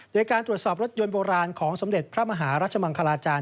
โดยการตรวจสอบรถยนต์โบราณของสมเด็จพระมหารัชมังคลาจารย